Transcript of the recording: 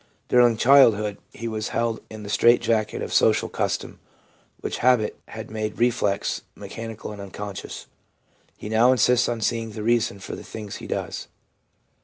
During childhood he was held in the strait jacket of social custom, which habit had made reflex, mechanical and unconscious ; he now insists on seeing the reason for the things he does.